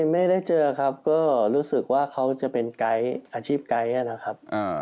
ไม่ได้เจอครับก็รู้สึกว่าเขาจะเป็นไกด์อาชีพไกด์นะครับ